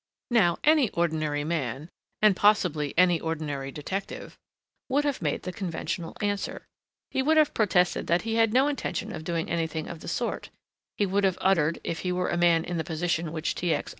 Now any ordinary man, and possibly any ordinary detective, would have made the conventional answer. He would have protested that he had no intention of doing anything of the sort; he would have uttered, if he were a man in the position which T. X.